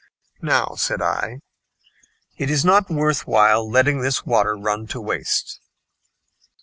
"Now," said I, "it is not worth while letting this water run to waste."